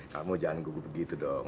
kamu jangan gugup begitu dong